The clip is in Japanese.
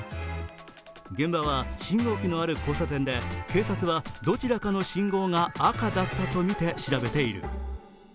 現場は信号機のある交差点で、警察はどちらかの信号が赤だっと見て調べている。